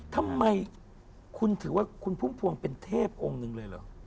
ทำไมคุณถือว่าคุณพุ่มพวงเป็นเทพองค์หนึ่งเลยเหรอ